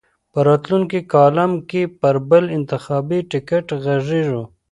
په راتلونکي کالم کې پر بل انتخاباتي ټکټ غږېږو.